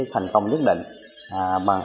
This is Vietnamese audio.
thành công nhất định bằng